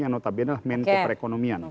yang notabene adalah menko perekonomian